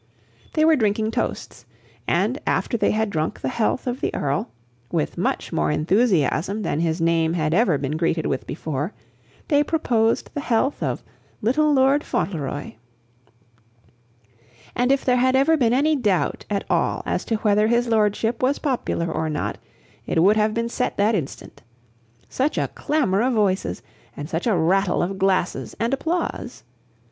They were drinking toasts; and, after they had drunk the health of the Earl, with much more enthusiasm than his name had ever been greeted with before, they proposed the health of "Little Lord Fauntleroy." And if there had ever been any doubt at all as to whether his lordship was popular or not, it would have been settled that instant. Such a clamor of voices, and such a rattle of glasses and applause!